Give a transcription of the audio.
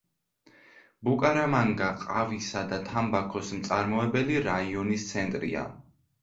ბუკარამანგა ყავისა და თამბაქოს მწარმოებელი რაიონის ცენტრია.